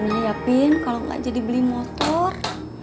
gimana ya pin kalo gak jadi beli motor